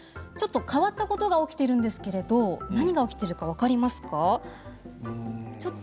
ちょっと変わったことが起きているんですけど何が起きているか分かりますか？